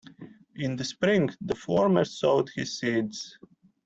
In the spring, the former sowed his seeds.